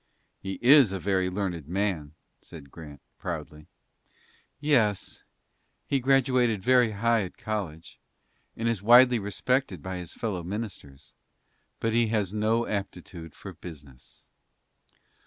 "He is a very learned man," said Grant, proudly. "Yes, he graduated very high at college, and is widely respected by his fellow ministers, but he has no aptitude for business."